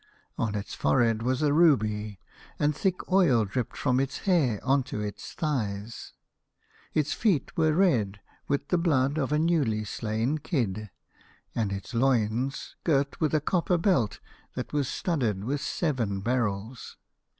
On its forehead was a ruby, and thick oil dripped from its hair on to its thighs. Its feet were red with the blood of a newly slain kid, and its loins girt with a copper belt that was studded with seven beryls.